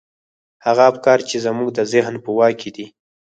هغه افکار چې زموږ د ذهن په واک کې دي.